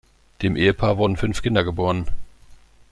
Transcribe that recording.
Dem Ehepaar wurden fünf Kinder geboren.